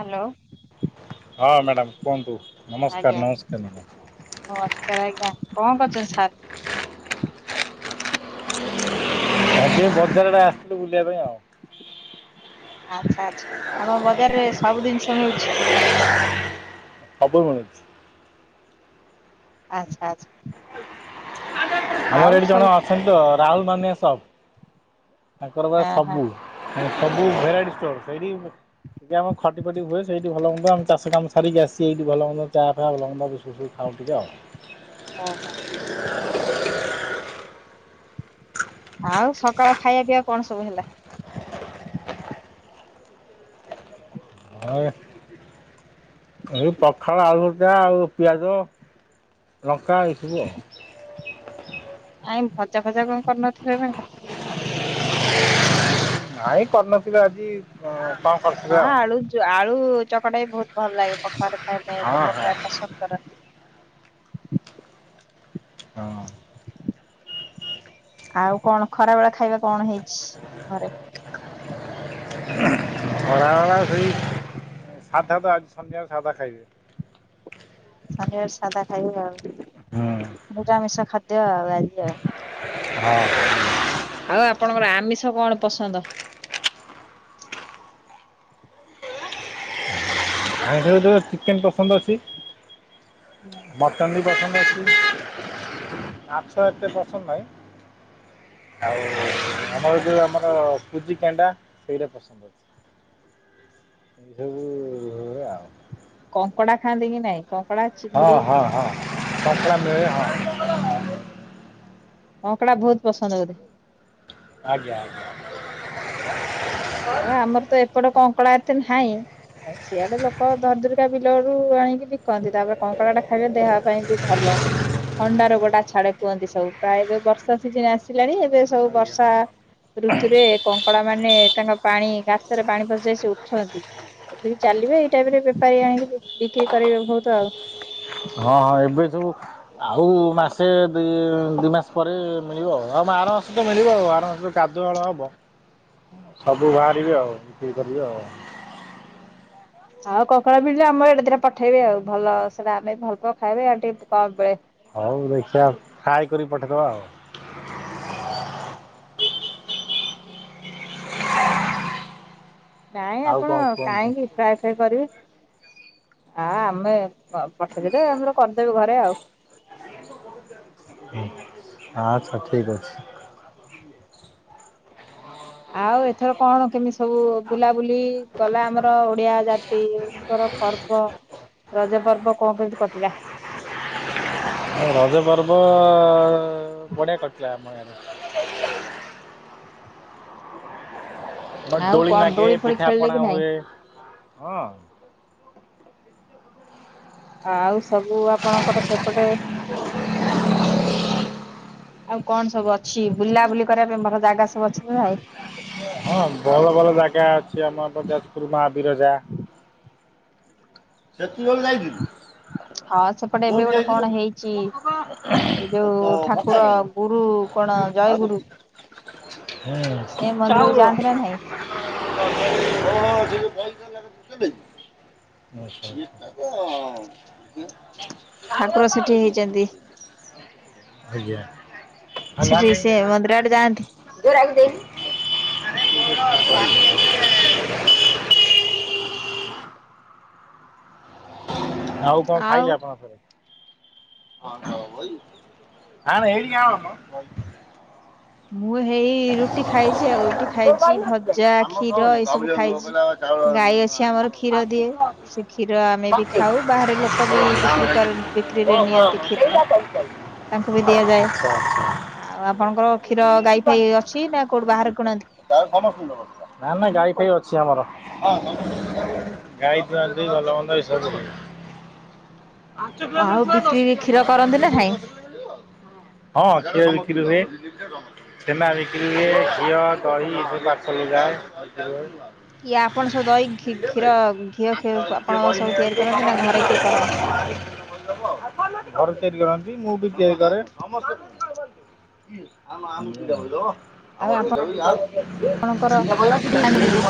Hello. ହଁ madam କୁହନ୍ତୁ ଆଜ୍ଞା ନମସ୍କାର ନମସ୍କାର ମ୍ୟାଡ଼ାମ୍। ନମସ୍କାର ଆଜ୍ଞା କଣ କରୁଛନ୍ତି ସାର୍? ଆଜି ବଜାର ଆଡେ ଆସିଥିଲୁ ବୁଲିବା ପାଇଁ ଆଉ। ଆଚ୍ଛା ଆଚ୍ଛା ଆପଣ ବଜାରରେ ସବୁ ଦିନିଷ ମିଳୁଛି। ସବୁ ମିଳୁଛି। ଆଚ୍ଛା ଆଚ୍ଛା। ଆଉ ଆମର ଏଠି ଜଣେ ସବୁ ଅଛନ୍ତି ତ ରାହୁଲ ମାନ୍ୟ ସପ୍ ତାଙ୍କର ବା ହଁ ହଁ ସବୁ। ହଁ ସବୁ ଭେରାଇଟି ଷ୍ଟୋର ସେଇଡି ଏଠି ଆମ ଖଟି ଫଟି ହୁଏ ସେଇଠି ଭଲ ମନ୍ଦ ଆମ ଚାଷ କାମ ସାରିକି ଆସି ଏଇଠି ଭଲ ମନ୍ଦ ଚା ଫା ଭଲ ମନ୍ଦ ବୁଝୁ। ଆଉ କି ଜ ଓହୋ। ଆଉ ସକାଳ ଖାଇବା ପିଇବା କଣ ସବୁ ହେଲା? ହ ଏ ଏଇ ପଖାଳ ଆଳୁଭର୍ତା ଆଉ ପିଆଜ ଲଙ୍କା ଏଇ ସବୁ ଆଉ। ଆଇମ୍ ଭଜା ଫଜା କଣ କରିନଥିଲେ ନା କ ନାଇଁ କରିନଥିବେ ଆଜି। ହଁ କଣ କଲ୍ ହଁ ଆଳୁ ଯୋ ଆଳୁ ଚକଟା ବି ବହୁତ ଭଲ ଲାଗେ ପଖାଳରେ ଖାଇବା ପାଇଁ ହଁ ଲୋକ ହଁ ପ୍ରାୟ ପସନ୍ଦ କରନ୍ତି। ହଁ। ଆଉ କଣ ଖରା ବେଳ ଖାଇବା କଣ ହେଇଛି ଘରେ? ଖରାବେଳା ସେଇ ସାଧା ତ ଆଜି ଶନିବାରେ ସାଧା ଖାଇବେ। ଶନିବାରେ ସାଧା ଖାଇବି ଆଉ ହୁଁ ନିରାମିଷ ଖାଦ୍ୟ ଆଉ ଆଜି ଆଉ। ହଁ। ଆଉ ଆପଣଙ୍କର ଆମିଷ କଣ ପସନ୍ଦ? ଆଇଁଷରେ ତ ଚିକେନ୍ ପସନ୍ଦ ଅଛି ଭ ଚାନ୍ଦି ପସନ୍ଦ ଅଛି ମାଛ ଏତେ ପସନ୍ଦ ନାଇଁ। ଆଉ ଆମର ଯୋଉ ଆମର କୁଜିିଗେଣ୍ଡା ସେଇଟା ପସନ୍ଦ। ଯଉ ହୁ ଏ ଆଉ। କଙ୍କଡା ଖାଆନ୍ତି କି ନାଇଁ କ ହଁ- ହଁ- ହଁ କଙ୍କଳା ମିଳେ ହଁ। କଙ୍କଡା ବହୁତ ପସନ୍ଦ ବୋଧେ। ଆଜ୍ଞା- ଆଜ୍ଞା। ଆ ଆମର ତ ଏପଟେ କଙ୍କଡ଼ା ଏତେ ନାହିଁ। ସିଆଡେ ଲୋକ ଧର ଦୁରିକା ବିଲୁ ଆଡୁ ଆଣିକି ବିକନ୍ତି ତାପରେ କଙ୍କଡ଼ା ଟା ଖାଇଲେ ଦେହ ପାଇଁ ବି ଭଲ। ଥଣ୍ଡା ରୋଗଟା ଛାଡେ କୁହନ୍ତି ସବୁ ପ୍ରାୟେ ଯଉ ବର୍ଷା ସିଜନି ଆସିଲାଣି ଏବେ। ସବୁ ଆଜ୍ଞା ବର୍ଷା ହଁ ଋତୁରେ କଙ୍କଡା ମାନେ ତାଙ୍କ ପାଣି ଗାତରେ ପାଣି ପଶିଯାଏ ସେ ଉଠନ୍ତି। ଉଠିକି ଚାଲିବେ ଏଇ ଟାଇମ ରେ ବେପାରୀ ଆଣିକି ବିକ୍ରି କରିବେ ବହୁତ ଆଉ। ହଁ ହଁ ଏବେ ସବୁ- ଆଉ ମାସେ ଦି ଦୁଇ ମାସ ପରେ ମିଳିବ। ଆଉ ଆର ମାସ ତ ମିଳିବ ଆଉ ଆର ମାସ କାଦୁଅ ହଳ ହେବ। ସବୁ ବାହାରିବେ ଆଉ ବିକ୍ରି କରିବେ ଆଉ। ହଁ କଙ୍କଡା ମିଳିଲେ ଆମ ଏଡେ ଦିଟା ପଠେଇବି ଆଉ। ଆଉ ଭଲ ସେଟା ଆମେ ଭଲ ପାଉ ଖାଇବେ ଆଉ ଟିକେ କମ ମିଳେ। ହଉ ଦେଖିବା। ଫ୍ରାଏ କରିକି ପଠେଇଦବା ଆଉ। [unintelligible] ନାଇଁ ଆଉ ଆପଣ କଣ କୁହନ୍ତୁ କାହିଁକି? ଫ୍ରାଏ ଫ୍ରାଇ କରିବେ। ନା ଆମେ ପଠେଇଦେଲେ ଆମର କରିଦେବୁ ଘରେ ଆଉ। ଆଚ୍ଛା ଠିକ୍ ଅଛି। ଆଉ ଏଥର କଣ କେମିତି ସବୁ ବୁଲାବୁଲି ଗଲା ଆମର ଓଡିଆ ଜାତିଙ୍କର। ପର୍ବ ରଜ ପର୍ବ କଣ କେମିତି କଟିଲା? ରଜ ପର୍ବ ବଢ଼ିଆ କଟିଲା ଆମ ଇଆଡେ। [unintelligible] ଆଉ ଦୋଳି କଣ ନାଗେ ଫୋଳି ଖେଳିଲେ ପିଠାପଣା କି ନାଇଁ? ହୁଏ‌। ହଁ। ଆଉ ସବୁ ଆପଣଙ୍କର ସେପଟେ? ଆଉ କଣ ସବୁ ଅଛି? ବୁଲାବୁଲି କରିବା ପାଇଁ ଭଲ ଜାଗା ସବୁ ଅଛି ନା ନାଇଁ? ହଁ। ଭଲ ଭଲ ଜାଗା ଅଛି। ଆମ ଯାଜପୁର ମା ବିରଜା। ‌ ସେତିବଳୁ ଯାଇଥିଲୁ। ହଁ ସେପଟେ ଏବେ କୋଉଠି ଗୋଟେ ଯାଇଥିଲୁ କଣ ହେଇଛି? ଏଇ ତ ଯୋଉ ଭତ୍ତା ଠାକୁର ପାଇଁ ଗୁରୁ କଣ ଜୟ ଆଉ ଗୁରୁ? ଚାଉଳ। ଯାଆନ୍ତି ନା ନାଇଁ? [unintelligible] ଠାକୁର ସେଠି ହେଇଛନ୍ତି [unintelligible] ସେଠି ସେ ମନ୍ଦିର ଆଡେ ଯାଆନ୍ତି। [unintelligible] [unintelligible] ଆଉ କଣ ଖାଇଲେ ଆପଣଙ୍କ? [unintelligible] ମୁଁ ହେଇ ରୁଟି ଖାଇଛି ଆଉ ରୁଟି ଖାଇଛି। ଭଜା, ଆମ କ୍ଷୀର, କହୁନି ଏଇ ସବୁ କହିଲେ ଖାଇଛି। କହିଲା ଚାଉଳ ଗାଈ ଅଛି ଆମର କ୍ଷୀର ଦିଏ। ସେ କ୍ଷୀର ଆମେ ବି ଖାଉ ବାହାରେ ଲୋକ ବି ବିକ୍ରି କରନ୍ତି। ବିକ୍ରିରେ ନିଅନ୍ତି କ୍ଷୀର ତାଙ୍କୁ ବି ଦିଆଯାଏ। ଆଉ ଆପଣଙ୍କର କ୍ଷୀର ଗାଈ ଫାଇ ଅଛି ନା କୋଉଠି ବାହାରେ କିଣନ୍ତି? ଗାଈ ସମସ୍ତଙ୍କର ଅଛି। ନା ନା ଗାଈ ଫାଇ ଅଛି ଆମର। ଗାଈ ଦୁଆଁ ଦୁହିଁ ଭଲ ମନ୍ଦ ଏସବୁ। [inaudible] [unintelligible] ହଁ ଆଉ କ୍ଷୀର ବିକ୍ରି କ୍ଷୀର କରନ୍ତି ନା ନାଇଁ? ବିକ୍ରି ହୁଏ। ଛେନା ବିକ୍ରି ହୁଏ। ଘିଅ ଦହି ଏସବୁ ପର୍ଶଲ୍ ଯାଏ। କିଏ ଆପଣ ସବୁ ଦହି, ବିକ୍ରି ହୁଏ। କ୍ଷୀର, ଘିଅ, କିଏ ଆପଣ ବହି ସବୁ ତିଆରି କରନ୍ତି ନା ଘରେ କିଏ ନେଇ କରନ୍ତି? [inaudible] ଘରେ ତିଆରି କରନ୍ତି। ମୁଁ ବି ତିଆରି କରେ। ଆଉ ଆପଣଙ୍କର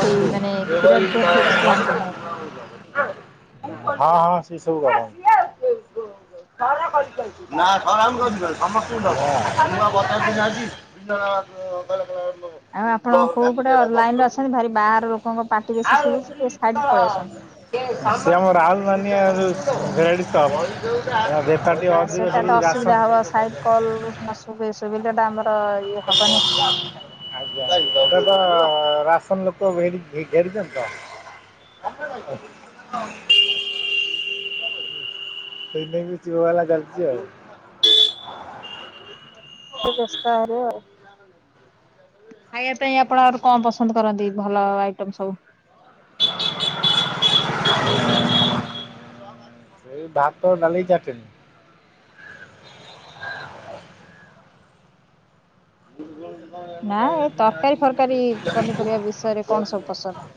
ସେଇ ମାନେ କ୍ଷୀର ଘିଅ ଫିଅ ବିଷୟରେ ଜାଣିଛନ୍ତି ନା [unintelligible] [unintelligible] ହଁ ହଁ ସେ ସବୁ ଗଲାଣି। ଆଉ ଆପଣ କୋଉ ପଟେ ଲାଇନ ରେ ଅଛନ୍ତି ଭାରି ବାହାର ଲୋକଙ୍କ ପାଟି ବେଶୀ ଶୁଭୁଛି ଟିକେ ସାଇଡ ପଳେଇ ଆସନ୍ତୁ। [unintelligible] [unintelligible] [unintelligible] ସେ ଆମ ରାହୁଲୁ ମାନିଆ ଲେଡିସି ହବ [unintelligible] ନା ସେଟା ତ ଅସୁବିଧା ହବ ସାଇଡ କଲ୍ [unintelligible] ସୁବିଲେ ଆମର ଇଏ ହବନି। ଆଜ୍ଞା ଏଠି ତ ରାସନ ଲୋକ ଘେରି ଘେରିଛନ୍ତି ତ। [unintelligible] ସେଇଥିପାଇକିଁ ଯିଓ ବାଲା ଚାଲିଛି ଆଉ। ବେସ୍ତ ହେବେ ଆଉ। ଖାଇବା ପାଇଁ ଆପଣ ଆହୁରି କଣ ପସନ୍ଦ କରନ୍ତି ଭଲ ଆଇଟମ୍ ସବୁ? ସେଇ ଭାତ ଡାଲି ଚାଟିନି। ନା ଏଇ ତରକାରୀ ଫରକାରୀ ପନିପରିବା ବିଷୟରେ କଣ ସବୁ ପସନ୍ଦ?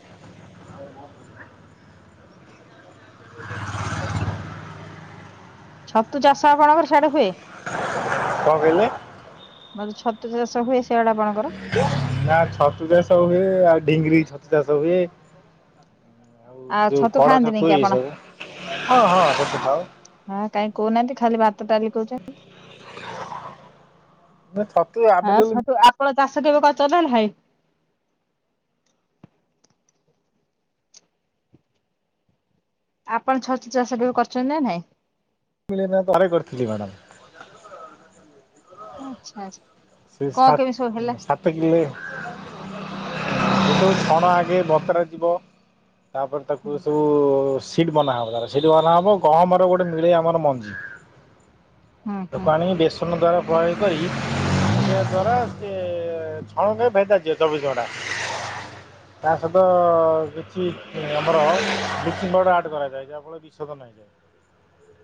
[inaudible] ଛତୁ ଚାଷ ଆପଣଙ୍କର ସିଆଡ଼େ ହୁଏ? କଣ କହିଲେ? ମୁଁ କହିଲି ଛତୁ ଚାଷ ହୁଏ ସେଇଆଡ଼େ ଆପଣଙ୍କର? ନା ଛତୁ ଚାଷ ହୁଏ ଆଉ ଢିଙ୍ଗିରି ଛତୁ ଚାଷ ହୁଏ। ଆଉ ସେ ଯୋଉ କଢ଼ ଖାଆନ୍ତିନି ଛତୁ କି ଇଏ ଆପଣ? ସବୁ ହଁ ହଁ ଛତୁ ଖାଉ। ହଁ କାଇ କହୁନାହାନ୍ତି ଖାଲି ଭାତ ଡାଲି କହୁଛ [inaudible] ବେ ଛତୁ ଆ ହଁ ଛତୁ ଆପଣ ଚାଷ କେବେ କରିଛନ୍ତି ନା ନାହିଁ? ଆପଣ ଛଚୁ ଚାଷ କେବେ କରିଛନ୍ତି ନା ନାଇଁ? [unintelligible] ଆଚ୍ଛା ଆଚ୍ଛା। ସେ କଣ ସାତ୍ କେମିତି ସବୁ ହେଲା? ସାତ୍ ଇଏ ଛଣ ଆଗେ ବତରା ଯିବ। ତାପରେ ହୁଁ ତାକୁ ସବୁ ସିଟ ବନାହବ ସିଟ ବନାହବ ଗହମର ଗୋଟେ ମିଳେ ଆମର ମଞ୍ଜି ହୁଁ ଲୋକ ଆଣିକି ବେସନ ଦ୍ଵାରା ପ୍ରଣାଳୀ କରି ତା ଦ୍ଵାରା ସେ ଛଣକୁ ଭେଦାଜିବ ଚବିଶି ଘଣ୍ଟା। ତା ସହିତ କିଛି ଆମର ବିଚିଙ୍ଗି ପାଉଡର ଆଡ କରାଯାଏ ଯାହା ଫଳ [unintelligible] [inaudible]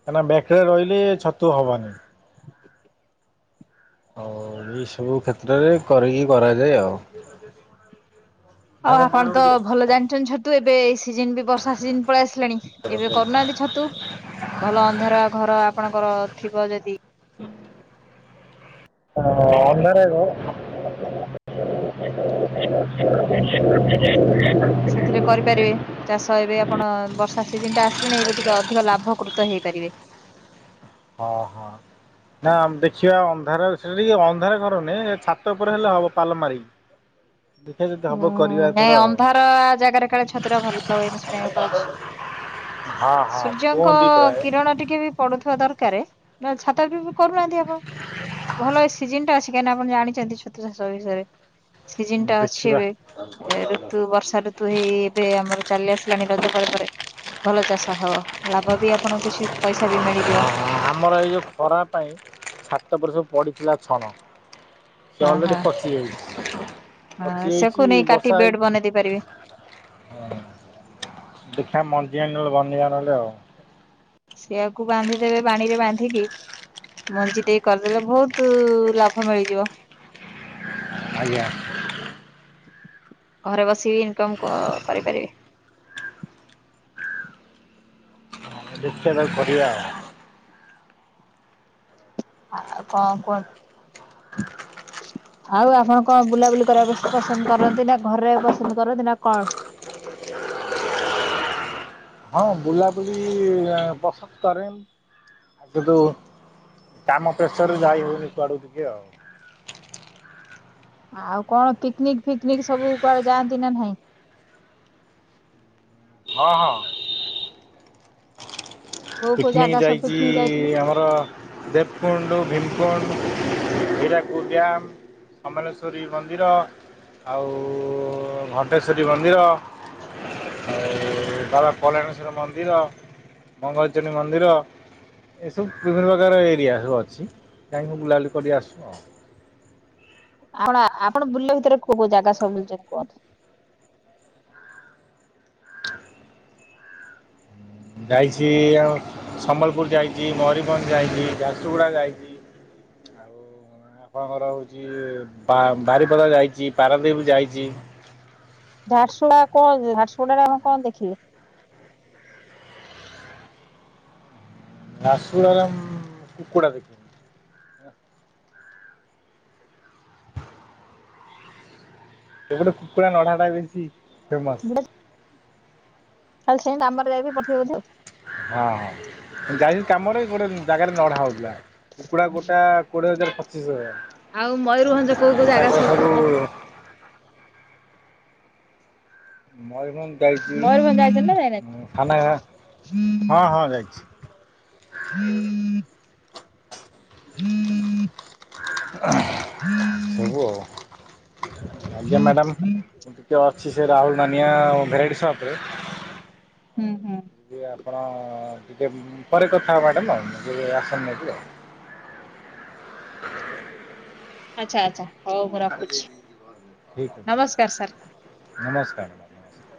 କାହିଁକିନା ବ୍ୟାକରେ ରହିଲେ ଛତୁ ହବନି। ଓ ଏସବୁ କ୍ଷେତ୍ରରେ କରିକି କରାଯାଏ ଆଉ। ଆଉ ଆପଣ ତ ଭଲ ଜାଣିଛନ୍ତି ଛତୁ ଏବେ ଏଇ ସିଜନ ବି ବର୍ଷା ସିଜିନ ପଳେଇ ଆସିଲାଣି। ଏବେ କରୁନାହାନ୍ତି ଛତୁ ଭଲ ଅନ୍ଧାରୁଆ ଘର ଆପଣଙ୍କର ଥିବ ଯଦି ହଁ ଅନ୍ଧାର ଘ [inaudible] ସେଥିରେ କରିପାରିବେ। ଚାଷ ଏବେ ଆପଣ ବର୍ଷା ସିଜନି ଟା ଆସିଲେଣି ଏବେ ଟିକେ ଅଧିକ ଲାଭକୃତ ହେଇପାରିବେ। ହଁ ହଁ। ନାମ ଦେଖିବା ଅନ୍ଧାର [unintelligible] ଅନ୍ଧାର ଘର ନୁହେଁ ଛାତ ଉପରେ ହେଲେ ହବ ପାଲ ମାରିକି। [inaudible] ଦେଖିବା ଯଦି ହବ ହୁଁ କରିବା ଏଥର ନାଇଁ ଆଉ। ଅନ୍ଧାର ଜାଗାରେ କାଳେ ଛତୁଟା ଭଲ ହୁଏ ମୁଁ ଶୁଣିବାକୁ ଆଉଛି। ହଁ ହଁ ସୂର୍ଯ୍ୟଙ୍କ କୁହନ୍ତି ପ୍ରାୟ କିରଣ ଟିକେ ବି ପଡୁଥିବା ଦରକାର ଛାତ ବି କରୁନାହାନ୍ତି ଆପଣ ଭଲ ସିଜିନଟା କାଇଁନା ଆପଣ ଜାଣିଛନ୍ତି ଛତୁ ଚାଷ ବିଷୟରେ ସିଜିନ୍ ଟା ଅଛି ଦେଖିବା। ଏବେ ଋତୁ ବର୍ଷା ଋତୁ ହେଇ ଏବେ ଆମର ଚାଲି ଆସିଲାଣି ରଜ ପରେ ପରେ ଭଲ ଚାଷ ହବ ଲାଭ ବି ଆପଣଙ୍କୁ କିଛି ପଇସା ବି ମିଳିଯିବ ଆମର ଏଇ ଯେଉଁ ଖରାପ ପାଇଁ ଛାତ ଉପରେ ସବୁ ପଡ଼ିଥିଲା ଛଣ ସେ ହଁ ହଁ ଅଲରେଡି ଫସିଯାଇଛି ହଁ ସେକୁ ନେଇ କାଟିି ହେଇକି। ବେଡ ବନେଇ ଦେଇ ପାରିବି ଦେଖିବା ମଞ୍ଜିଆ ନହେଲେ ବନେଇବା ନହେଲେ ଆଉ ସେଆକୁ ବାନ୍ଧି ଦେବେ ପାଣିରେ ବାନ୍ଧିକି ମଞ୍ଜି ଟିକ କରିଦେଲେ ବହୁତ ଲାଭ ମିଳିଯିବ ଆଜ୍ଞା। ଘରେ ବସି ଇନକମ୍ କରିପାରିବେ ଦେଖିବା ତାକୁ କରିଆ ଆଉ ଆ କଣ କୁହନ୍ତୁ ଆଉ ଆପଣ କଣ ବୁଲାବୁଲି କରିବାକୁ ବ ପସନ୍ଦ କରନ୍ତି ନା ଘରେ ରହିବାକୁ ପସନ୍ଦ କରନ୍ତି ନା କଣ ହଁ ବୁଲାବୁଲି ପସନ୍ଦ କରେ ଆ ସେଠୁ କାମ ପ୍ରେସର ରେ ଯାଇ ହେଉନି କୁଆଡୁ ଟିକେ ଆଉ ଆଉ କଣ ପିକନିକ ଫିକନିକ ସବୁ କୁଆଡେ ଯାଆନ୍ତି ନା ନାଇଁ ହଁ ହଁ କୋଉ କୋଉ ପିକନିକ ଜାଗା ସବୁ ଯାଇଛି ପିକନିକ ଯାଇଥିଲେ? ଆମର ଦେବକୁଣ୍ଡ ଭୀମକୁଣ୍ଡ ହୀରାକୁଦ ଡ୍ୟାମ୍ କମଲେଶ୍ୱରୀ ମନ୍ଦିର ଆଉ ଉ ଘଣ୍ଟେଶ୍ୱରୀ ମନ୍ଦିର [inaudible] ଆଉ ବାବା ପଲଣେଶ୍ୱଵର ମନ୍ଦିର ମଙ୍ଗଳଚଣୀ ମନ୍ଦିର ଏସବୁ ବିଭିନ୍ନ ପ୍ରକାର ଏରିଆ ସବୁ ଅଛି କାହିଁକି ମୁଁ ବୁଲାବୁଲି କରି ଆସୁ ଆଉ ଆପଣ ଆପଣ ବୁଲିଲା ଭିତରେ କୋଉ କୋଉ ଜାଗା ସବୁ ବୁଲିଛନ୍ତି କୁହନ୍ତୁ। ଯାଇଛି ଆଉ ସମ୍ବଲପୁର ଯାଇଛି ମୟୂରଭଞ୍ଜ ଯାଇଛି ଝାରସୁଗୁଡ଼ା ଯାଇଛି ଆଉ ଆପଣଙ୍କର ହେଉଛି ବାରିପଦା ଯାଇଛି ପାରାଦ୍ୱୀପ ଯାଇଛି ଝାରସୁଗୁଡା କଣ ଝାରସୁଗୁଡାରେ ଆପଣ କଣ ଦେଖିଲେ? ଝାରସୁଗୁଡ଼ା ରେ ଆମ କୁକୁଡ଼ା ଦେଖ ଏ ଗୋଟେ କୁକୁଡ଼ା ନଢା ଟା ବେଶୀ ଫେମସ୍ ଖାଲି ସେ ଆମର ଯାଇବି ପଠେଇବଧ ହଁ ହଁ ଯାଇିନି କାମରେ ଗୋଟେ ଜାଗାରେ ନଢା ହେଉଥିଲା କୁକୁଡ଼ା ଗୋଟା କୋଡ଼ିଏ ହଜାର ପଚିଶ ହଜାର ଆଉ ମୟୂରଭଞ୍ଜ କୋଉ କୋଉ ଜାଗା ସବୁ ବୁଲିଛନ୍ତି ମୟୂରଭଞ୍ଜ ମୟୂରଭଞ୍ଜ ଯାଇଛନ୍ତି ନା ଯାଇନାହାନ୍ତି? ଯାଇଛି ଥାନା ହଁ ହଁ ଯାଇଛି। [unintelligible] [unintelligible] ସବୁ ଆଉ ଆଜ୍ଞା ମ୍ୟାଡ଼ାାମ ମୁଁ ଟିକେ ଅଛି ସେ ରାହୁଲ ମାନିଆ ଭେରାଇଟି ସପରେ ହୁଁ ହୁଁ ଯେ ଆପଣ ଟିକେ ପରେ କଥା ହବା ମ୍ୟାଡ଼ାମ ଟିକେ ରାସନ୍ ନେବି ଆଉ ଆଚ୍ଛା ଆଛା ଠିକ ନମସ୍କାର ସାର୍। ଅଛି ନମସ୍କାର ଧନ୍ୟବାଦ।